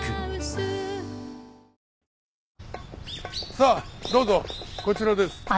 さあどうぞこちらです。